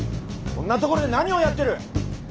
こんなところで何をやってる！